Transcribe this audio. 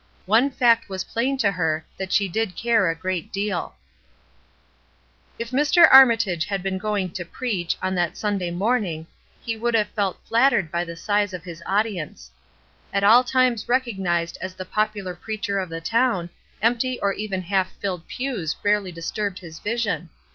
One fact was plain to her, that she did care a great deal If Dr. Armitage had been going to preach, on that Sunday morning, he could have felt flat tered by the size of his audience. At all times 210 ESTER RIED^S NAMESAKE recognized as the popular preacher of the town, empty or even half filled pews rarely disturbed his vision.